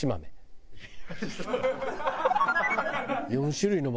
４種類の豆。